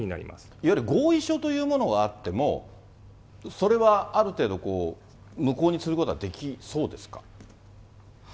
いわゆる合意書というものがあっても、それはある程度、無効にすることはできそうですか。